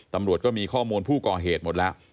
ตำรวจก็มีข้อมูลผู้ก่อเหตุหมดแล้ว